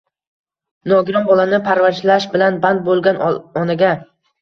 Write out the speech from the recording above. Nogiron bolani parvarishlash bilan band bo‘lgan onaga